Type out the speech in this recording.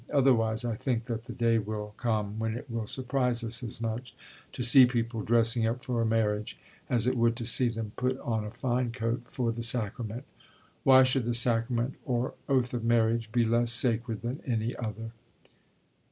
Otherwise I think that the day will come, when it will surprise us as much, to see people dressing up for a marriage, as it would to see them put on a fine coat for the Sacrament. Why should the Sacrament or Oath of Marriage be less sacred than any other?